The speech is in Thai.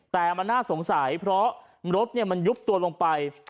แต่มันน่าสงสัยเพราะรถมันยุบตัวลงไป